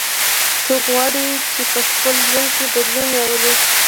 څوک غواړي چې په خپل ژوند کې بدلون راولي